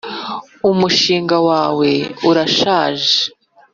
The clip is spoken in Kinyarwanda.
Umushinga wawe urashaje.